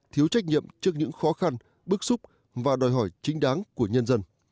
thiếu trách nhiệm trước những khó khăn bức xúc và đòi hỏi chính đáng của nhân dân